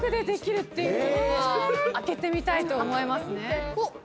開けてみたいと思いますね。